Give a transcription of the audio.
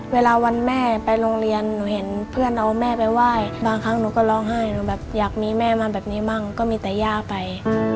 เวลาวันแม่ไปโรงเรียนหนูเห็นเพื่อนเอาแม่ไปไหว้บางครั้งหนูก็ร้องไห้หนูแบบอยากมีแม่มาแบบนี้บ้างก็มีแต่ย่าไป